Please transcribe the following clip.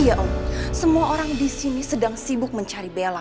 iya om semua orang disini sedang sibuk mencari bella